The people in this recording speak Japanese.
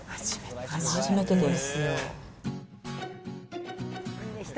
初めてです。